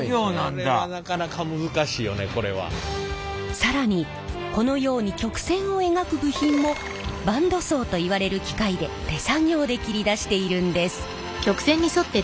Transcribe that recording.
更にこのように曲線を描く部品もバンドソーといわれる機械で手作業で切り出しているんです。